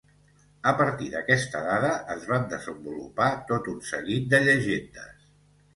A partir d'aquesta dada, es van desenvolupar tot un seguit de llegendes.